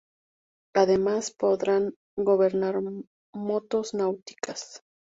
Además, podrán gobernar motos náuticas.